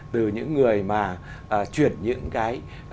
từ những người mà chuyển những cái